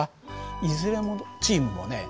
いずれのチームもね